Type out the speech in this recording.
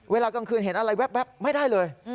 เวลากลางคืนเห็นอะไรแว๊บไม่ได้เลย